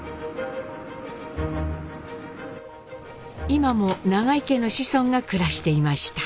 今も永井家の子孫が暮らしていました。